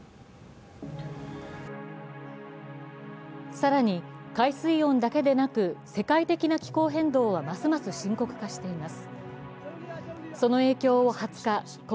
更に、海水温だけでなく世界的な気候変動はますます深刻化しています。